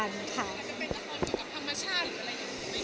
อาจจะไปกับธรรมชาติหรืออะไรอย่างนี้